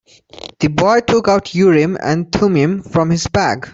The boy took out Urim and Thummim from his bag.